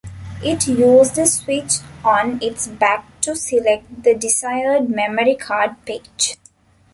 It used a switch on its back to select the desired memory card "page".